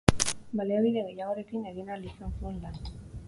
Baliabide gehiagorekin egin ahal izan zuen lan.